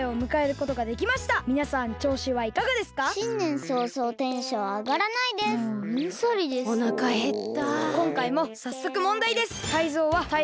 こんかいもさっそくもんだいです。